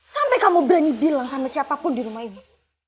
sampai kamu berani bilang sama siapapun di rumah ini